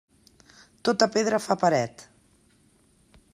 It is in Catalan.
Tota pedra fa paret.